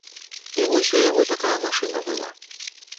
І вось у яго такая машына была.